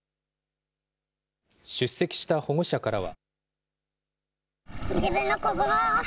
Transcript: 出席した保護者からは。